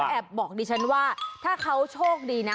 บอกดิฉันว่าถ้าเขาโชคดีนะ